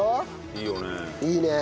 いいよね。